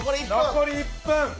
残り１分。